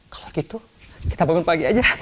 kalau gitu kita bangun pagi aja